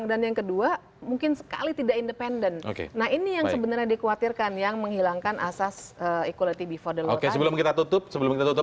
dengan mudah gitu